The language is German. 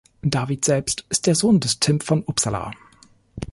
David selbst ist der Sohn des Tim von Uppsala.